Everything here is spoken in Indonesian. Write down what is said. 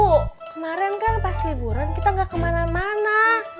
bu kemarin kan pas liburan kita gak kemana mana